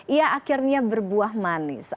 ia akhirnya berbuah manis